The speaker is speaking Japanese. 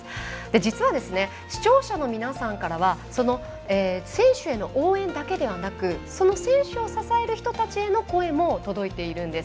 実は、視聴者の皆さんからは選手への応援だけではなくその選手を支える人たちへの声も届いているんです。